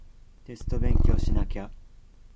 テスト勉強しなきゃ